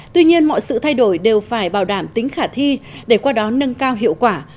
tuy nhiên mọi sự thay đổi đều phải bảo đảm tính khả thi để qua đó nâng cao hiệu quả